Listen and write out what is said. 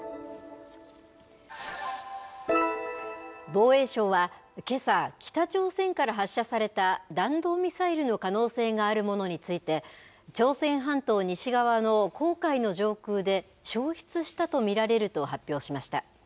防衛省はけさ、北朝鮮から発射された弾道ミサイルの可能性があるものについて、朝鮮半島西側の黄海の上空で消失したと見られると発表しました。